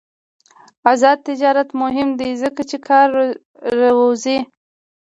آزاد تجارت مهم دی ځکه چې کار روزي.